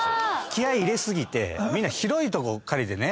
気合入れすぎてみんな広いとこ借りてね。